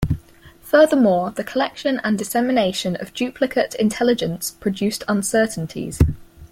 Furthermore, the collection and dissemination of duplicate intelligence produced uncertainties.